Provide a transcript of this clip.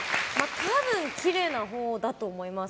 多分きれいなほうだと思います。